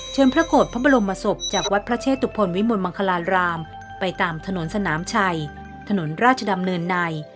พระโกรธพระบรมศพจากวัดพระเชตุพลวิมลมังคลารามไปตามถนนสนามชัยถนนราชดำเนินใน